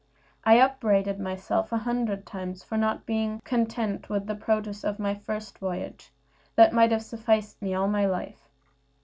I upbraided myself a hundred times for not being content with the produce of my first voyage, that might have sufficed me all my life.